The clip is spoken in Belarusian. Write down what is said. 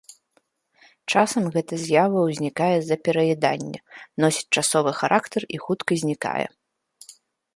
Часам гэта з'ява ўзнікае з-за пераяданні, носіць часовы характар і хутка знікае.